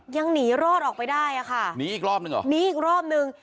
ยังหนีรอดออกไปได้อ่ะค่ะหนีอีกรอบนึงเหรอหนีอีกรอบนึง